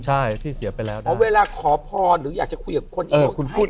เวลาคอยยาจะขอพ่อหรืออยากจะคุยกับคนอีกลง